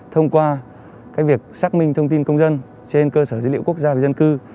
thông qua việc xác minh thông tin công dân trên cơ sở dữ liệu quốc gia về dân cư